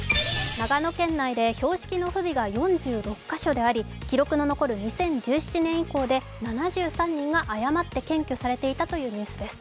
長野県内で標識の不備が４６箇所あり記録の残る２０１７年以降で７３人が誤って検挙されていたというニュースです。